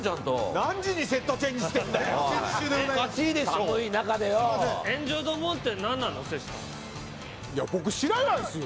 何時にセットチェンジしてん寒い中でよ。